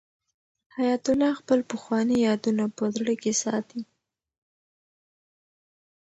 حیات الله خپل پخواني یادونه په زړه کې ساتي.